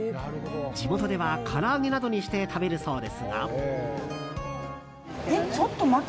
地元では、から揚げなどにして食べるそうですが。